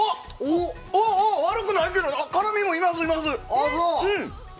悪くないけどな辛味もいます、います！